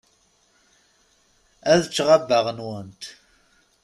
Ad ččeɣ abbaɣ-nwent.